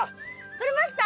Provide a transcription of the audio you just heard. とれました？